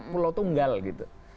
pulau tunggal gitu